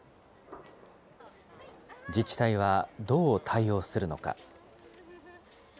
自治体は、どう対応するのか。